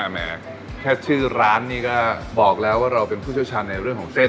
แหมแค่ชื่อร้านนี่ก็บอกแล้วว่าเราเป็นผู้เชี่ยวชาญในเรื่องของเส้น